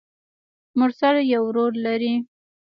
مرسل يو ورور لري.